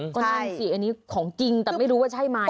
ก็นั่นสิอันนี้ของจริงแต่ไม่รู้ว่าใช่ไหม